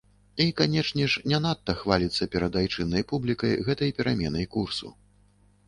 І, канешне ж, не надта хваліцца перад айчыннай публікай гэтай пераменай курсу.